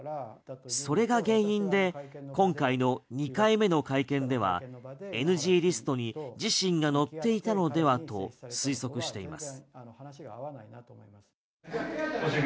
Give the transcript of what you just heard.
それが原因で今回の２回目の会見ではＮＧリストに自身が載っていたのではと推測しています。